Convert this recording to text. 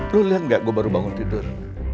lo liat gak gue baru bangun tidur